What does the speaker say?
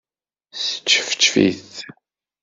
Sčefčef-it.